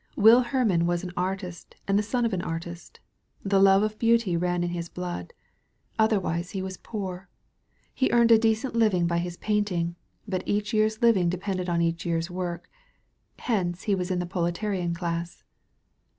Will Hermann was an artist and the son of an artist. The love of beauty ran in his blood. Other 240 SALVAGE POINT wise he was poor. He earned a decent living by his painting, but each year's living depended on each year's work. Hence he was in the proletarian class.